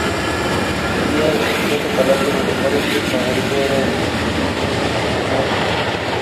Residía en fastuosos palacios, de los cuales su favorito era el de Drottningholm.